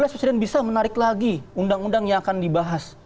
dua ribu lima belas presiden bisa menarik lagi undang undang yang akan dibahas